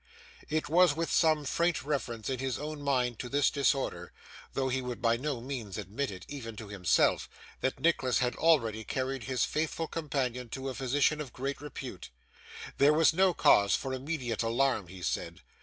It was with some faint reference in his own mind to this disorder, though he would by no means admit it, even to himself, that Nicholas had already carried his faithful companion to a physician of great repute. There was no cause for immediate alarm, he said.